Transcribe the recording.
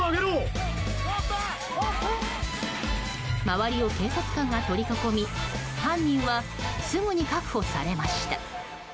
周りを警察官が取り囲み犯人はすぐに確保されました。